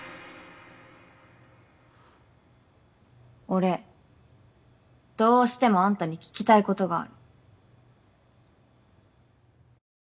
俺どうしてもあんたに聞きたいことがある。